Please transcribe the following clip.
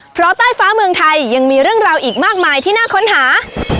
เพราะใต้ฟ้าเมืองไทยยังมีเรื่องราวอีกมากมายที่น่าค้นหา